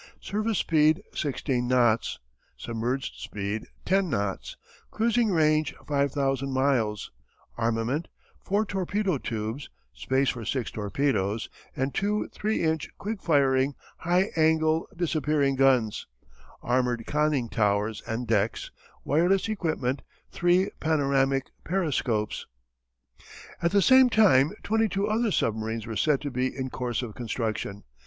surface speed 16 knots; submerged speed 10 knots; cruising range 5000 miles; armament: 4 torpedo tubes, space for 6 torpedoes, and two 3 inch quick firing, high angle, disappearing guns; armoured conning towers and decks; wireless equipment; 3 panoramic periscopes. At the same time 22 other submarines were said to be in course of construction.